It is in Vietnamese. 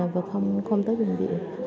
và không tới bệnh viện